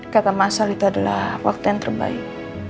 kata mas sol itu adalah waktu yang terbaik